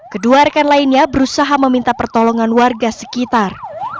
kedua rekan lainnya berusaha meminta pertolongan warga sekitar